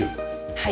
はい。